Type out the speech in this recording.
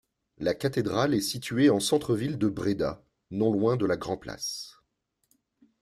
La cathédrale est située en centre-ville de Bréda, non loin de la Grand-Place.